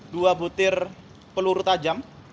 dua butir peluru tajam